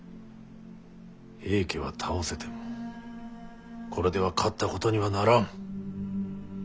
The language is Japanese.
平家は倒せてもこれでは勝ったことにはならん。